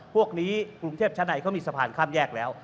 พวกนี้กรุงเทพชั้นในเขามีสะพานข้ามแยกแล้ว